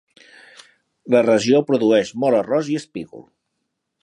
La regió produeix molt arròs i espígol.